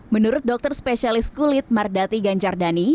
menurut dokter spesialis kulit mardati ganjardani